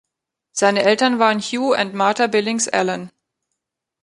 Seine Eltern waren Hugh und Martha Billings Allen.